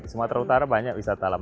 sumatera utara banyak wisata alam